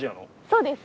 そうです。